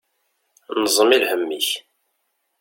Nẓem i lhem-ik.